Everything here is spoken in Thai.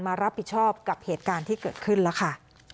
รับผิดชอบกับเหตุการณ์ที่เกิดขึ้นแล้วค่ะ